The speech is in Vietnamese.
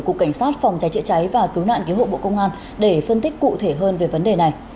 cục cảnh sát phòng trái trịa trái và cứu nạn ký hộ bộ công an để phân tích cụ thể hơn về vấn đề này